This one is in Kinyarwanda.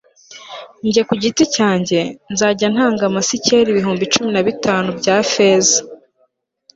jye ku giti cyanjye, nzajya ntanga amasikeli ibihumbi cumi na bitanu bya feza